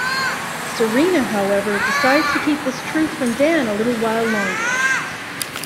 Serena, however, decides to keep this truth from Dan a little while longer.